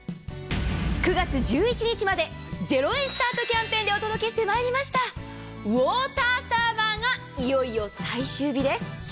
９月１１日まで０円スタートキャンペーンでお届けしてまいりましたウォーターサーバーがいよいよ最終日です。